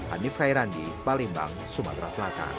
hanif khairandi palembang sumatera selatan